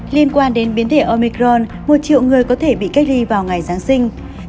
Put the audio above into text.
liên quan đến biến thể omicron một triệu người có thể bị cách ly vào ngày giáng sinh